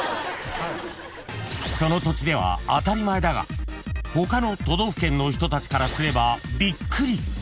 ［その土地では当たり前だが他の都道府県の人たちからすればびっくり］